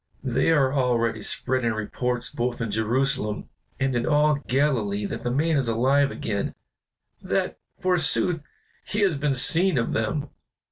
"They are already spreading reports both in Jerusalem and in all Galilee that the man is alive again, that, forsooth, he has been seen of them.